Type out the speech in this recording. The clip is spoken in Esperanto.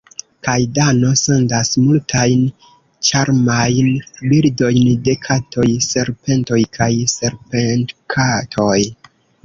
Kaj Dano sendas multajn ĉarmajn bildojn de katoj, serpentoj kaj serpentkatoj.